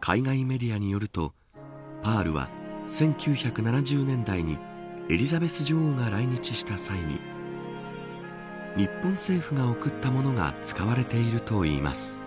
海外メディアによるとパールは１９７０年代にエリザベス女王が来日した際に日本政府が贈ったものが使われているといいます。